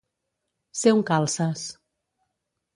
Ser un calces.